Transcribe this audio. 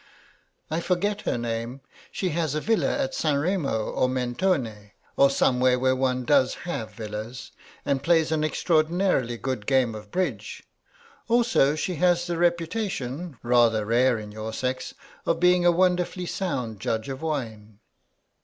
"I forget her name; she has a villa at San Remo or Mentone, or somewhere where one does have villas, and plays an extraordinary good game of bridge. Also she has the reputation, rather rare in your sex, of being a wonderfully sound judge of wine."